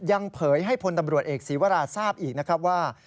เผยให้พลตำรวจเอกศีวราทราบอีกนะครับว่า